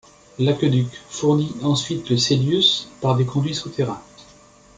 L'aqueduc fournit ensuite le Cælius par des conduits souterrains.